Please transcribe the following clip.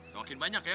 semakin banyak ya